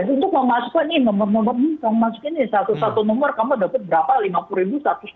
untuk memasukkan ini nomor nomor ini kamu masukin ini satu satu nomor kamu dapat berapa